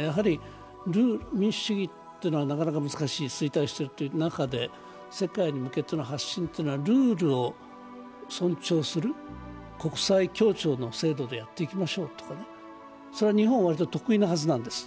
やはり民主主義というのはなかなか難しい、衰退している中で世界に向けての発信というのはルールを尊重する、国際協調の制度でやっていきましょうとかね、それは日本は割と得意なはずなんです。